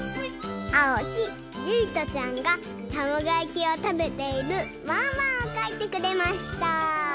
あおきゆいとちゃんがたまごやきをたべているワンワンをかいてくれました！